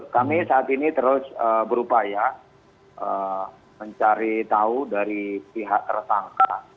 kami saat ini terus berupaya mencari tahu dari pihak tersangka